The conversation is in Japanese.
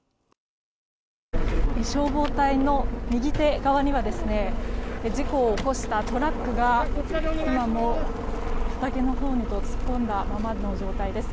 消防隊の右手側には事故を起こしたトラックが今も畑のほうへと突っ込んだままの状態です。